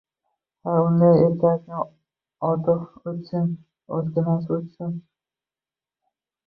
— Ha... Unday erkakni oti o‘chsin, otginasi o‘chsin!